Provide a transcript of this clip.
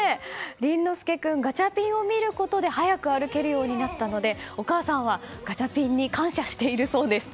凜乃介君ガチャピンを見ることで早く歩けるようになったのでお母さんは、ガチャピンに感謝しているそうです。